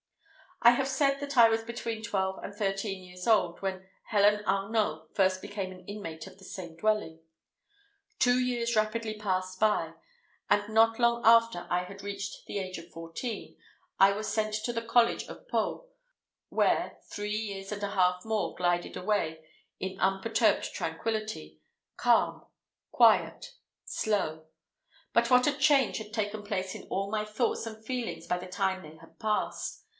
I have said that I was between twelve and thirteen years old when Helen Arnault first became an inmate of the same dwelling. Two years rapidly passed by, and not long after I had reached the age of fourteen, I was sent to the college of Pau, where three years and a half more glided away in unperturbed tranquillity calm quiet slow; but what a change had taken place in all my thoughts and feelings by the time they had passed!